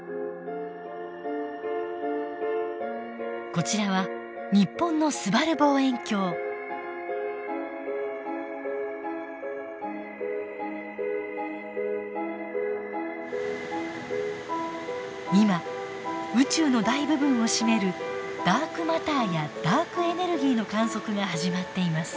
こちらは日本の今宇宙の大部分を占めるダークマターやダークエネルギーの観測が始まっています。